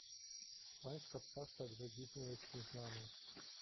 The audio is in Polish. "Pańska twarz także dziwnie jest mi znaną."